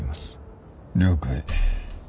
了解。